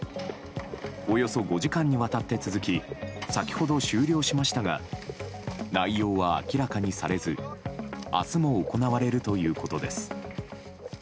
およそ５時間にわたって続き先ほど終了しましたが内容は明らかにされず明日も行われるということです。